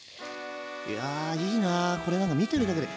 いやいいなこれなんか見てるだけで。